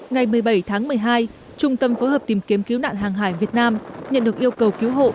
ngày một mươi bảy tháng một mươi hai trung tâm phối hợp tìm kiếm cứu nạn hàng hải việt nam nhận được yêu cầu cứu hộ